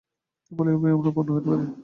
কেবল এই উপায়েই আমরা পূর্ণ হইতে পারি।